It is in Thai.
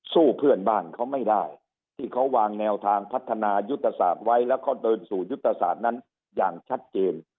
เพื่อนบ้านเขาไม่ได้ที่เขาวางแนวทางพัฒนายุทธศาสตร์ไว้แล้วก็เดินสู่ยุทธศาสตร์นั้นอย่างชัดเจน